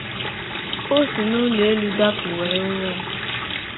o si n’ụlọ-elu dapụ were nwụọ.